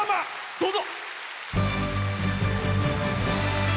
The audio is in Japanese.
どうぞ。